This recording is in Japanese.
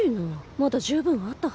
まだ十分あったはず。